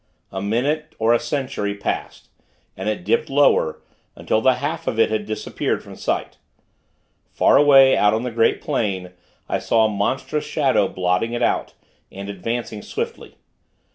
A minute or a century passed, and it dipped lower, until the half of it had disappeared from sight. Far away out on the great plain, I saw a monstrous shadow blotting it out, and advancing swiftly.